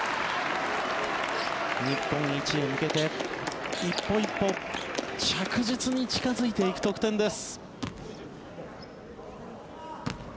日本一へ向けて一歩一歩、着実に近付いていく得点です。